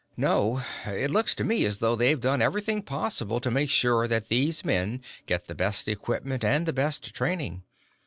"No. It looks to me as though they've done everything possible to make sure that these men get the best equipment and the best training.